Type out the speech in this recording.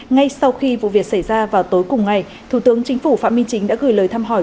ngay sau khi vụ việc xảy ra vào tối cùng ngày thủ tướng chính phủ phạm minh chính đã gửi lời thăm hỏi